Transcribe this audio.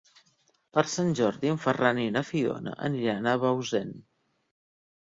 Per Sant Jordi en Ferran i na Fiona aniran a Bausen.